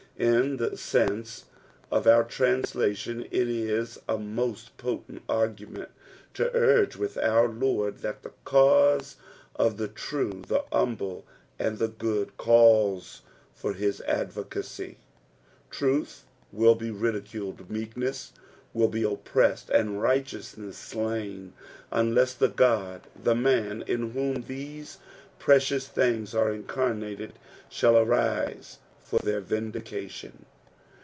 In the sense of our trHDslatiim it is a moat potent argument to urge with our Lord that the cause of the true, the humble, and the good, calls for his odvocarj. Truth will be lidimled, meekness will be oppressed, and righteousness slain, unless the God, the Man in whom these precious things arc incarnated, shall arise for their vindication.